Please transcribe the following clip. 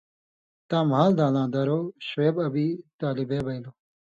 تاں مھال دالاں دَروۡ شعب ابی طالبے بئیلوۡ۔